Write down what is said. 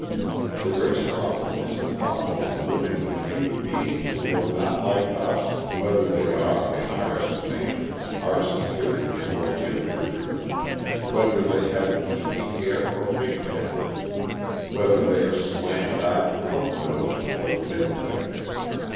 The race problem is the problem of living with human beings who are not like us, whether they are, in our estimation, our "superiors" or "inferiors," whether they have kinky hair or pigtails, whether they are slant eyed, hook nosed, or thick lipped.